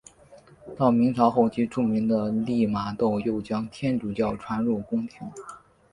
到明朝后期著名的利玛窦又将天主教传入宫廷。